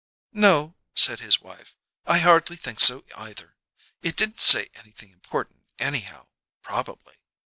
"No," said his wife. "I hardly think so either. It didn't say anything important anyhow, probably."